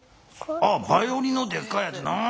あっバイオリンのでっかいやつな。